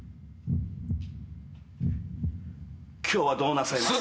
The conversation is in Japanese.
今日はどうなさいました？